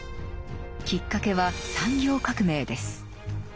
きっかけは産業革命です。